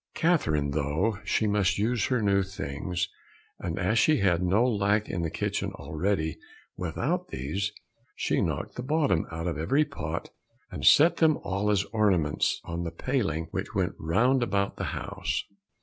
Catherine thought she must use her new things, and as she had no lack in the kitchen already without these, she knocked the bottom out of every pot, and set them all as ornaments on the paling which went round about the house.